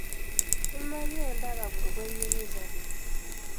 Simanyi ondaba ggwe gwe nnyumiza bino?